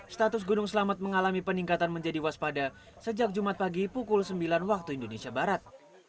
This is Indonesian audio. status gunung selamat mengalami peningkatan menjadi waspada sejak jumat pagi pukul sembilan waktu indonesia barat